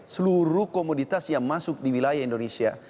seluruh komoditas yang masuk di wilayah indonesia